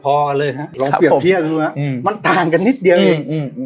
ครับผมลองเปรียบที่คือหน้วมั้นต่างกันนิดเดียวอืมอืม